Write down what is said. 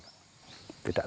tidak terlalu makan biaya